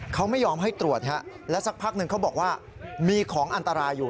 เขาไม่ยอมให้ตรวจและสักพักหนึ่งเขาบอกว่ามีของอันตรายอยู่